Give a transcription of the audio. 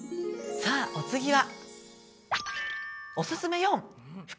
さあお次は。